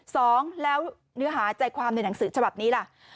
สองแล้วเนื้อหาใจความในหนังสือฉบับนี้ล่ะ